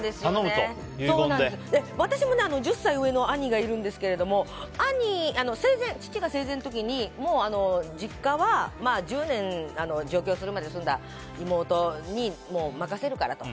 私も１０歳上の兄がいるんですけど父が生前の時にもう実家は１０年上京するまで住んだ妹に任せるからと。